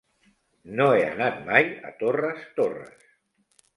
No he anat mai a Torres Torres.